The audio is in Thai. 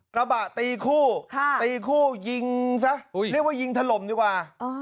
กระบะตีคู่ตีคู่ยิงซะเรียกว่ายิงถล่มดีกว่า